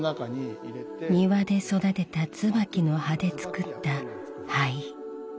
庭で育てた椿の葉で作った灰。